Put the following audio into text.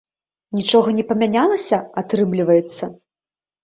Нічога не памянялася, атрымліваецца?